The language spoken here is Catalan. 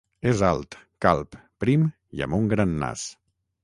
És alt, calb, prim i amb un gran nas.